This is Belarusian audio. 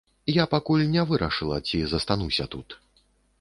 Я пакуль не вырашыла, ці застануся тут.